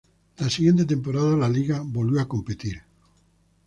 La siguiente temporada la liga volvió a competir.